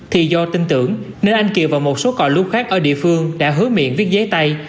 thì do tin tưởng nên anh kiều và một số cò lưu khác ở địa phương đã hứa miệng viết giấy tay